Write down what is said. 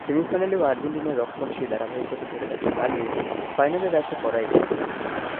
সেমিফাইনালেও আর্জেন্টিনার রক্ষণ সেই ধারাবাহিকতা ধরে রাখতে পারলে ফাইনালের আশা করাই যায়।